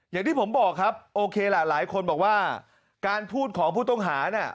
อย่างที่ผมบอกครับโอเคล่ะหลายคนบอกว่าการพูดของผู้ต้องหาน่ะ